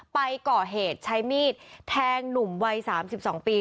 ไปก่อเหตุใช้มีดแทงหนุ่มวัย๓๒ปี